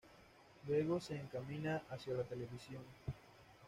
Luego se encamina hacia la televisión.